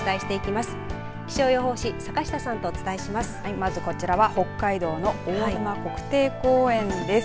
まずこちらは北海道の大沼国定公園です。